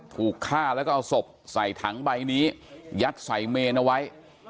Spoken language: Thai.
ถูกฆ่าแล้วก็เอาศพใส่ถังใบนี้ยัดใส่เมนเอาไว้